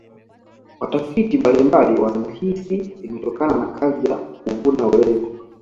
watafiti mbalimbali wanahisi limetokana na kazi ya kuvuna ulezi